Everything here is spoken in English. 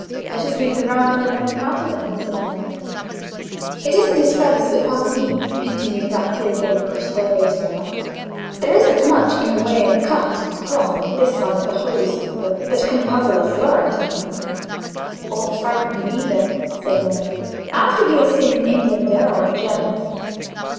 "Let us make the round of the Mercato, then," said Nello. "It isn't his feathers that puzzle me," continued Bratti, as they pushed their way together. "There isn't much in the way of cut and cloth on this side the Holy Sepulchre that can puzzle a Florentine." "Or frighten him either," said Nello, "after he has seen an Englander or a German."